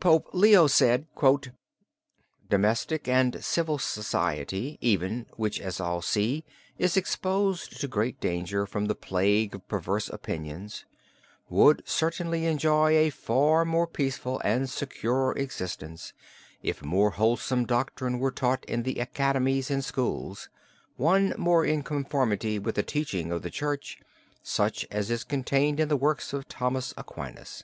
Pope Leo said: "Domestic and civil society, even, which, as all see, is exposed to great danger from the plague of perverse opinions, would certainly enjoy a far more peaceful and a securer existence if more wholesome doctrine were taught in the academies and schools one more in conformity with the teaching of the Church, such as is contained in the works of Thomas Aquinas.